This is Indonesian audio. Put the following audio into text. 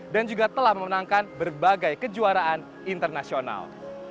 dan juga telah memenangkan berbagai kejuaraan internasional